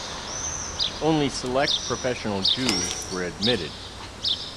Only select professional Jews were admitted.